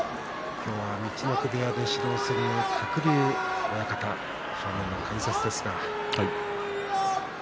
今日は陸奥部屋で指導する鶴竜親方です。